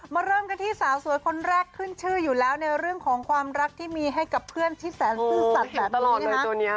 เริ่มกันที่สาวสวยคนแรกขึ้นชื่ออยู่แล้วในเรื่องของความรักที่มีให้กับเพื่อนที่แสนซื่อสัตว์แบบนี้นะคะ